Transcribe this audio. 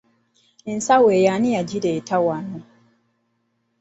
Ensawo eyo ani yagireeta wano?